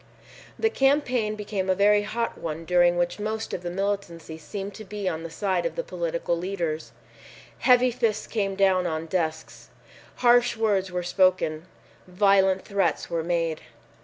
The campaign became a very hot one during which most of the militancy seemed to be on the side of the political leaders. Heavy fists came down on desks. Harsh words were spoken. Violent threats were made.